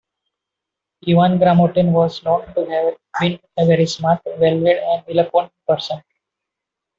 Ivan Gramotin was known to have been a very smart, well-read and eloquent person.